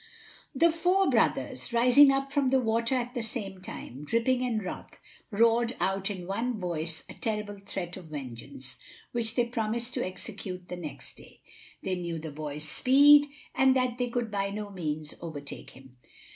The four brothers, rising up from the water at the same time, dripping and wroth, roared out in one voice a terrible threat of vengeance, which they promised to execute the next day. They knew the boy's speed, and that they could by no means overtake him.